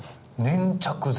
粘着剤？